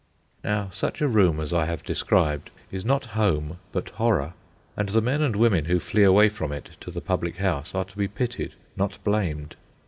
Now such a room as I have described is not home but horror; and the men and women who flee away from it to the public house are to be pitied, not blamed.